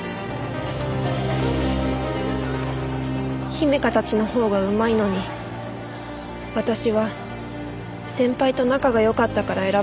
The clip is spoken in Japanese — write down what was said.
姫花たちのほうがうまいのに私は先輩と仲が良かったから選ばれただけで。